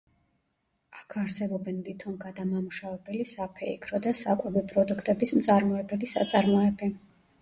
აქ არსებობენ ლითონგადამამუშავებელი, საფეიქრო და საკვები პროდუქტების მწარმოებელი საწარმოები.